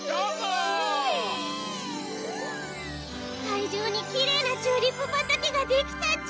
いじょうにきれいなチューリップばたけができたち！